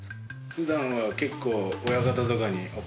普段は結構。